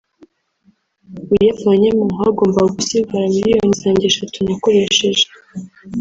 uyavanyemo hagombaga gusigara miliyoni zanjye eshatu nakoresheje